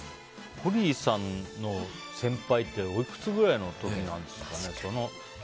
この方の先輩っておいくつぐらいの時なんですかね。